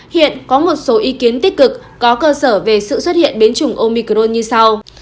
hiện có một số ý kiến tích cực có cơ sở về sự xuất hiện biến chủng omicron như sau